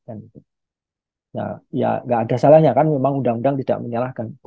nah ya nggak ada salahnya kan memang undang undang tidak menyalahkan